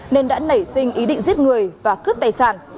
nên đã nảy sinh ý định giết người và cướp tài sản